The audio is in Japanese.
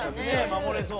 守れそう。